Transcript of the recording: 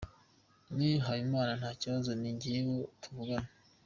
Me Habimana “Nta kibazo, ni njyewe tuvugana,….